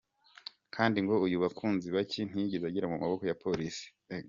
Kandi ngo uyu Bakunzibaki ntiyigeze agera mu maboko ya Polisi.